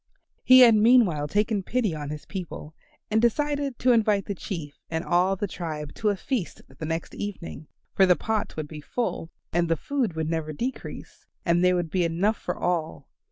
He had meanwhile taken pity on his people and he decided to invite the Chief and all the tribe to a feast the next evening, for the pots would be full, and the food would never decrease, and there would be enough for all.